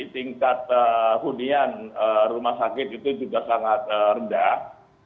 tingkat hunian rumah sakit itu juga sangat rendah